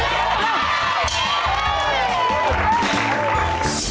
แล้ว